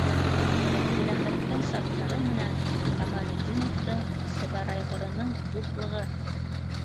Әптеләхәттең Саптары менән Камалетдиновтың Сыбарайғырының дуҫлығы!